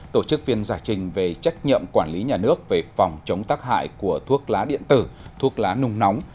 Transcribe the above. tổ chức phiên giải trình về trách nhiệm quản lý nhà nước về phòng chống tác hại của thuốc lá điện tử thuốc lá nung nóng